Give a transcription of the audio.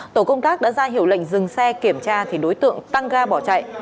tổ công tác đã ra hiệu lệnh dừng xe kiểm tra thì đối tượng tăng ga bỏ chạy